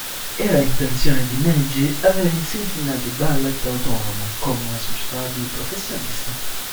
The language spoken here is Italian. Era intenzione di Nagy avere il Cincinnati Ballet autonomo, come una società di professionisti.